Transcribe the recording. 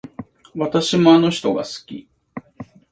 私もあの人が好き